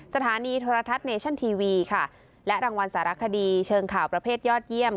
สถานีโทรทัศน์เนชั่นทีวีค่ะและรางวัลสารคดีเชิงข่าวประเภทยอดเยี่ยม